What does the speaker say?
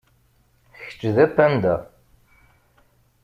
Kečč d apanda.